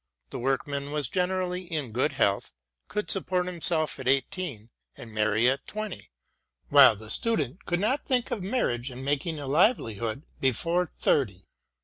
The workman was generally in good health, could support himself at eighteen and marry at twenty, while the student could not think of marriage and making a livelihood before thirty.